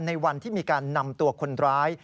ในวันที่มีการนำตัวคนร้าย